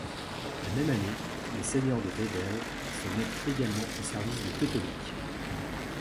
La même année, les seigneurs de Wedel se mettent également au service des Teutoniques.